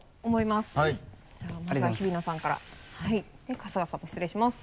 春日さんも失礼します。